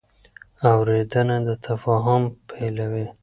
اورېدنه د تفاهم پیلوي.